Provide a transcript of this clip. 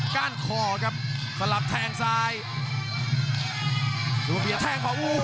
อย่าหลวนนะครับที่เตือนทางด้านยอดปรับศึกครับ